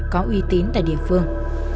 có uy tín tại địa phương